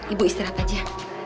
ibu istirahat aja